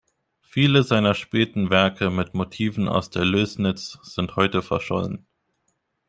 Viele seiner späten Werke mit Motiven aus der Lößnitz sind heute verschollen.